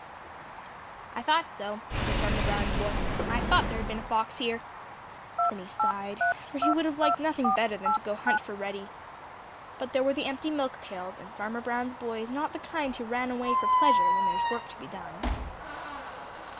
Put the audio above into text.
"I thought so," said Farmer Brown's boy. "I thought there had been a fox here." Then he sighed, for he would have liked nothing better than to go hunt for Reddy. But there were the empty milk pails, and Farmer Brown's boy is not the kind who run away for pleasure when there is work to be done.